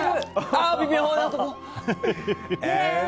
あ、微妙なとこ。